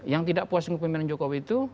yang tidak puas kepemimpinan jokowi itu